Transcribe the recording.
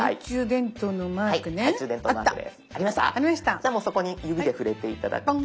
じゃあもうそこに指で触れて頂くと。